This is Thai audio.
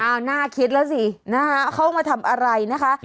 เอาน่าคิดแล้วสินะคะเขามาทำอะไรนะคะ